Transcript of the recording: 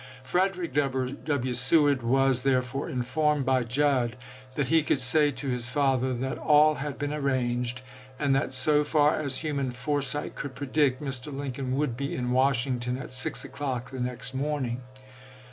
Frederick W. Seward was, therefore, informed by Judd "that he could say to his father that all had been arranged, and that, so far as human fore sight could predict, Mr. Lincoln would be in Wash jUd<i to ington at 6 o'clock the next morning."